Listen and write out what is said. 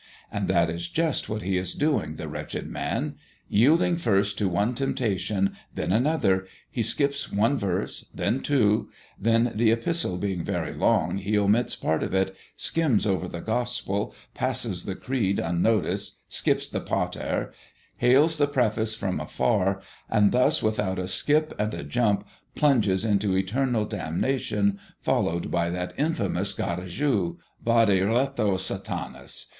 And that is just what he is doing, the wretched man! Yielding first to one temptation, then another, he skips one verse, then two; then the Epistle being very long, he omits part of it, skims over the Gospel, passes the Creed unnoticed, skips the Pater, hails the preface from afar, and thus with a skip and a jump plunges into eternal damnation, followed by that infamous Garrigou (_Vade retro, Satanas!